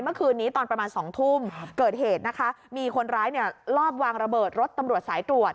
เมื่อคืนนี้ตอนประมาณ๒ทุ่มเกิดเหตุนะคะมีคนร้ายเนี่ยลอบวางระเบิดรถตำรวจสายตรวจ